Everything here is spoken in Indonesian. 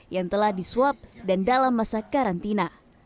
yang telah disuap dan dalam masa karantina